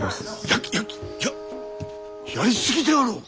焼き焼き！ややり過ぎであろう！